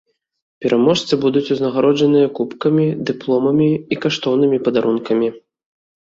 Пераможцы будуць узнагароджаныя кубкамі, дыпломамі і каштоўнымі падарункамі.